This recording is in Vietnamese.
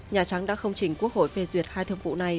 nhà trắng đã không chỉnh quốc hội phê duyệt hai thường vụ này